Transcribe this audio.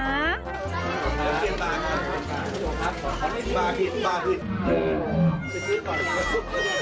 บากผิดบากผิด